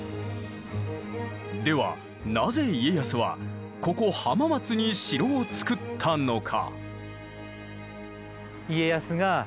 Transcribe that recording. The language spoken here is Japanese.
ではなぜ家康はここ浜松に城を造ったのか。